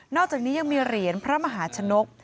อกจากนี้ยังมีเหรียญพระมหาชนก